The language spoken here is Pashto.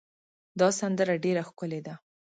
دا سندره ډېره ښکلې ده.